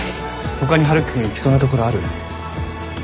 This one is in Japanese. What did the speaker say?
他に春樹君が行きそうな所ある？